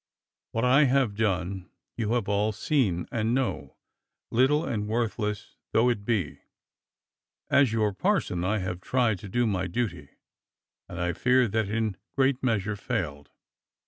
AMiat I have done, you have all seen and know, little and worthless though it be. As your parson I have tried to do my duty, and I fear have in great measure failed.